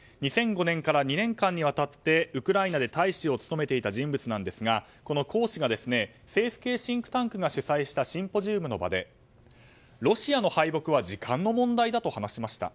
２００５年から２年間にわたってウクライナで大使を務めていた人物ですがこのコウ氏が政府系シンクタンクが主催したシンポジウムの場でロシアの敗北は時間の問題だと話しました。